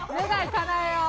かなえよう。